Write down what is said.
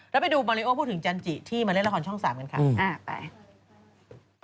แล้วไปดูมาริโอพูดถึงจันจิที่มาเล่นละครช่อง๓กันค่ะไป